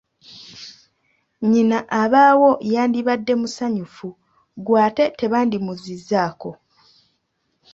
Nnyina abaawo yandibadde musanyufu gw’ate tebandimuzizzaako!